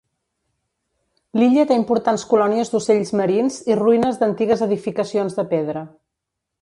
L'illa té importants colònies d'ocells marins i ruïnes d'antigues edificacions de pedra.